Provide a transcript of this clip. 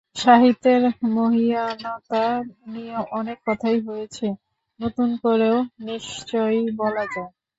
সাহিত্যের মহীয়ানতা নিয়ে অনেক কথাই হয়েছে, নতুন করেও নিশ্চয়ই বলা যায়।